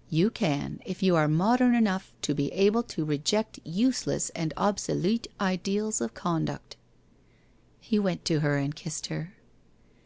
' You can, if you are modern enough to be able to reject useless and obsolete ideals of conduct.' He went to her and kissed her.